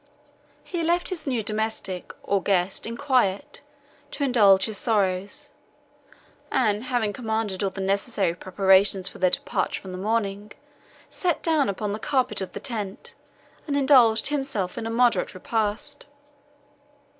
He left his new domestic, or guest, in quiet, to indulge his sorrows, and having commanded all the necessary preparations for their departure on the morning, sat down upon the carpet of the tent, and indulged himself in a moderate repast.